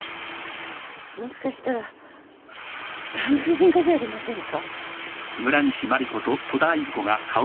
もしかしたら産婦人科じゃありませんか？